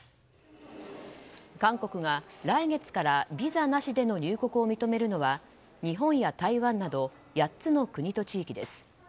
韓国が来月からビザなしでの入国を認めるのは日本や台湾など８つの国と地域です。